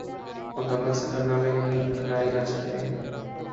مکمل سفر نامے نہیں کھلائے جا سکتے